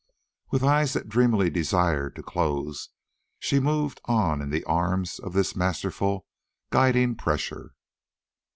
With eyes that dreamily desired to close, she moved on in the arms of this masterful, guiding pressure.